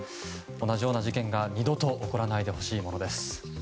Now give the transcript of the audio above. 同じような事件が二度と起こらないでほしいものです。